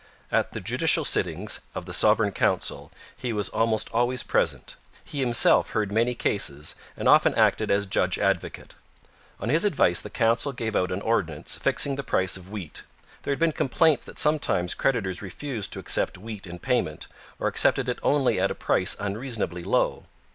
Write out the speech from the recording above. At the judicial sittings of the Sovereign Council he was almost always present; he himself heard many cases, and often acted as judge advocate. On his advice the council gave out an ordinance fixing the price of wheat. There had been complaints that sometimes creditors refused to accept wheat in payment, or accepted it only at a price unreasonably low.